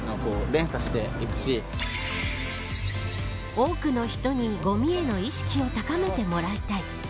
多くの人にごみへの意識を高めてもらいたい。